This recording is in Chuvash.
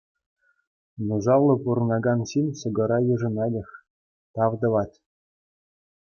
Нушаллӑ пурӑнакан ҫын ҫӑкӑра йышӑнатех, тав тӑвать.